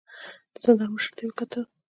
د زندان مشر ته يې وکتل.